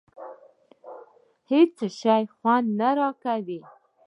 هېڅ شي خوند نه راکاوه.